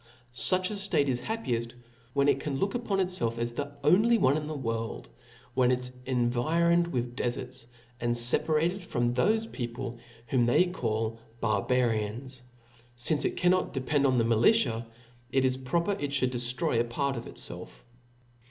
Such a ftate is happieft, when it can look upon itfelf as the only one in the world, when it is environed with deferts, and feparated from thofe people whom they call Barbarians. Since it can not depend on the militia, it is proper it ftiould deftroy a part of itfelf.